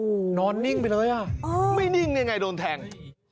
โอ้โหนอนนิ่งไปเลยอ่ะอ๋อไม่นิ่งยังไงโดนแทง